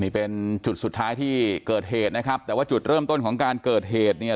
นี่เป็นจุดสุดท้ายที่เกิดเหตุนะครับแต่ว่าจุดเริ่มต้นของการเกิดเหตุเนี่ย